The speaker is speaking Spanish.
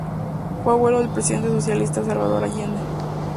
Fue abuelo del presidente socialista Salvador Allende.